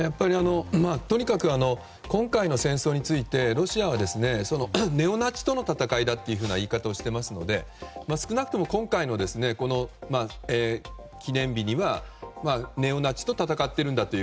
とにかく今回の戦争についてロシアは、ネオナチとの戦いだという言い方をしているので少なくとも今回の記念日にはネオナチと戦っているんだと。